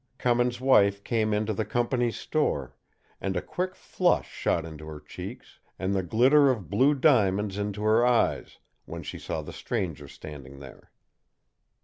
Cummins' wife came into the company's store; and a quick flush shot into her cheeks, and the glitter of blue diamonds into her eyes, when she saw the stranger standing there.